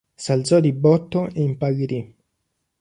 S'alzò di botto e impallidì.